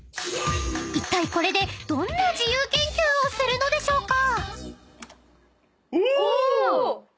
［いったいこれでどんな自由研究をするのでしょうか？］